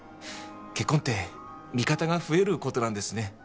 結婚って味方が増えることなんですね